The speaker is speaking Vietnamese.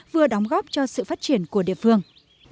vừa đóng góp cho sự phát triển của địa phương